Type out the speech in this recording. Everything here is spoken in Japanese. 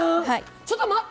ちょっと待って！